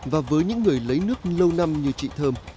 và với những người lấy nước lâu năm như chị thơm